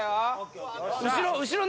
後ろ。